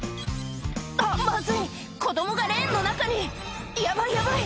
あっまずい子供がレーンの中にヤバいヤバい